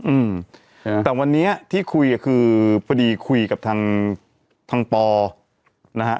อืมอ่าแต่วันนี้ที่คุยอ่ะคือพอดีคุยกับทางทางปอนะฮะ